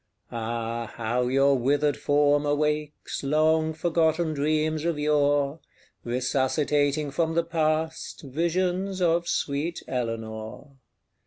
Ah, how your withered form awakes Long forgotten dreams of yore Resuscitating from the past Visions of sweet Eleanor!